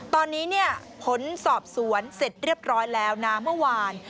ตอนนี้เนี่ยผลสอบสวนเสร็จเรียบร้อยแล้วนะเมื่อวาน